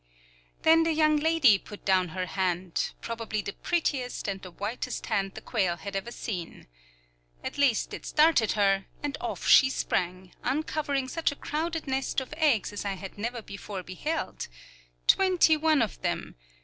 Then the young lady put down her hand, probably the prettiest and the whitest hand the quail had ever seen. At least it started her, and off she sprang, uncovering such a crowded nest of eggs as I had never before beheld. Twenty one of them!